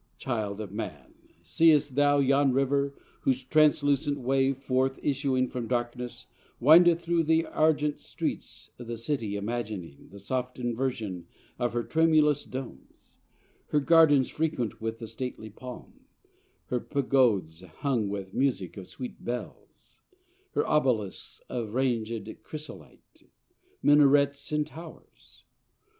Child of Man, See'st thou yon river, whose translucent wave, Forth issuing from darkness, windeth through The argent streets o' the City, imaging The soft inversion of her tremulous Domes; Her gardens frequent with the stately Palm, Her Pagods hung with music of sweet bells: Her obelisks of rangèd Chrysolite, Minarets and towers?